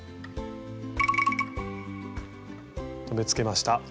留めつけました。